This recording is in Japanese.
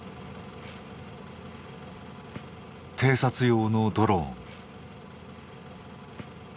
偵察用のドローン。